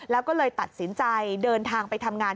แล้วก็เลยตัดสินใจเดินทางไปทำงาน